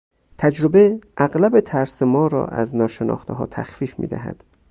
تجربه اغلب ترس ما را از ناشناختهها تخفیف میدهد.